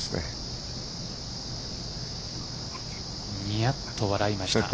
ニヤッと笑いました。